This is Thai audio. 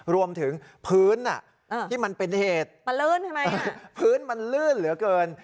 รวมถึงพื้นที่มันเป็นเหตุมันลื่นใช่ไหมพื้นมันลื่นเหลือเกิน